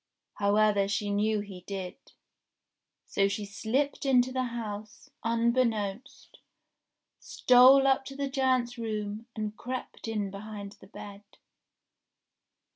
However she knew he did ; so she slipped in to the house, unbeknownst, stole up to the giant's room, and crept in behind the bed.